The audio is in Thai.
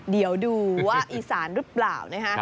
เดี๋ยวดูว่าอีสานรึเปล่าเนี่ยค่ะ